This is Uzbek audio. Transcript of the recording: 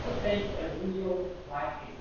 Ammam bir burchakda mudrab o’tiribdi.